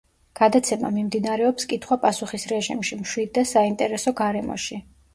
გადაცემა მიმდინარეობს კითხვა-პასუხის რეჟიმში, მშვიდ და საინტერესო გარემოში.